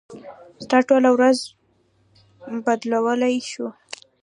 ستا ټوله ورځ بدلولی شي.